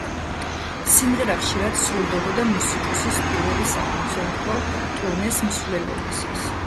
სიმღერა ხშირად სრულდებოდა მუსიკოსის პირველი საკონცერტო ტურნეს მსვლელობისას.